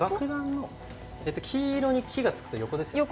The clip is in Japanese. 黄色に「木」がつくと、横ですよね。